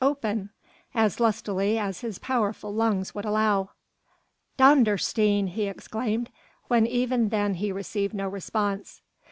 Open!" as lustily as his powerful lungs would allow. "Dondersteen!" he exclaimed, when even then he received no response.